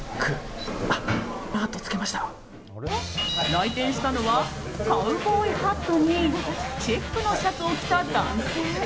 来店したのはカウボーイハットにチェックのシャツを着た男性。